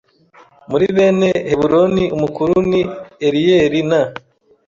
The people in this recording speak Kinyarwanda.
muri bene Heburoni umukuru ni Eliyeli na